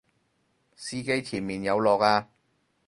司機前面有落啊！